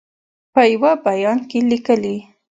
په یوه بیان کې لیکلي